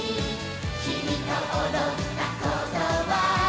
「きみとおどったことは」